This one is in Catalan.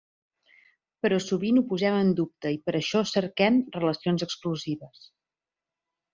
Però sovint ho posem en dubte i per això cerquem relacions exclusives.